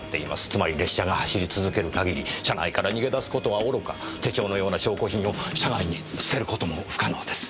つまり列車が走り続ける限り車内から逃げ出す事はおろか手帳のような証拠品を車外に捨てる事も不可能です。